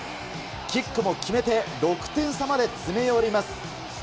キックも決めて６点差まで詰め寄ります。